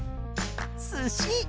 すし。